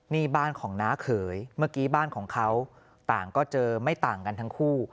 นี่บ้านของน้าเขยเมื่อกี้บ้านของเขาต่างก็เจอไม่ต่างกันทั้งคู่